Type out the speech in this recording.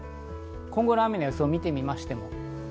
今後の雨の予想を見てみます。